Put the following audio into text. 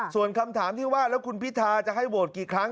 ส่วนคำถามที่ว่าแล้วคุณพิทาจะให้โหวตกี่ครั้ง